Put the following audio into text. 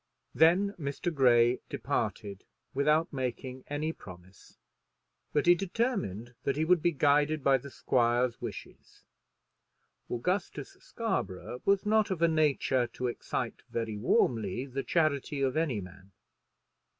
Then Mr. Grey departed, without making any promise, but he determined that he would be guided by the squire's wishes. Augustus Scarborough was not of a nature to excite very warmly the charity of any man.